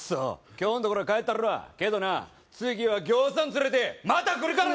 今日のところは帰ったるわけどな次はぎょうさん連れてまた来るからな！